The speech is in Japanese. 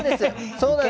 そうなんです。